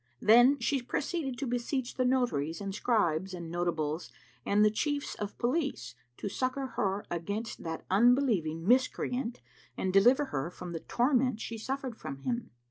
Then she proceeded to beseech the notaries and scribes and the notables and the Chiefs of Police to succour her against that unbelieving miscreant and deliver her from the torment she suffered from him.